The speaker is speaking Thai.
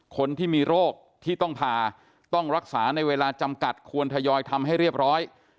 คนที่มีโรคที่ต้องผ่าต้องรักษาในเวลาจำกัดควรทยอยทำให้เรียบร้อย